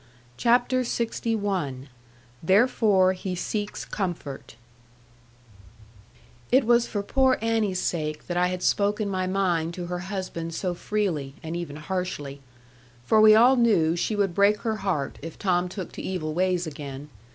CHAPTER LXI THEREFORE HE SEEKS COMFORT It was for poor Annie's sake that I had spoken my mind to her husband so freely, and even harshly. For we all knew she would break her heart, if Tom took to evil ways again.